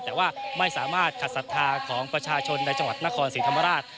แต่ว่าไม่สามารถขัดศรัทธาของประชาชนในจังหวัดนครศรีธรรมราช